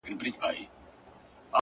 o تور یم؛ موړ یمه د ژوند له خرمستیو؛